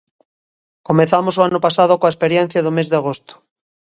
Comezamos o ano pasado coa experiencia do mes de agosto.